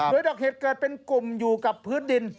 โดยดอกเห็ดเกิดเป็นกลุ่มอยู่กับพื้นดิน